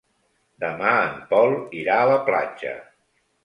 Demà en Pol irà a la platja.